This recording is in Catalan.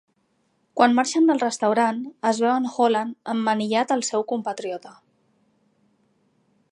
Quan marxen del restaurant, es veu en Holland emmanillat al seu compatriota.